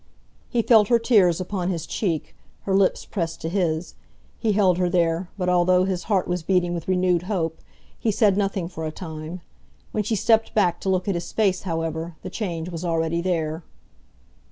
He felt her tears upon his cheek, her lips pressed to his. He held her there, but although his heart was beating with renewed hope, he said nothing for a time. When she stepped back to look at his face, however, the change was already there.